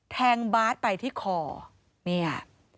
แทงบาทไปที่คอเนี่ย